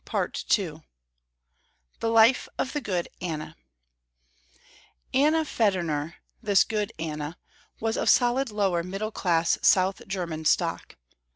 Part II THE LIFE OF THE GOOD ANNA Anna Federner, this good Anna, was of solid lower middle class south german stock.